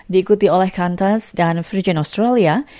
diikuti oleh qantas dan virgin australia